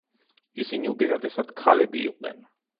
ისინი უპირატესად ქალები იყვნენ.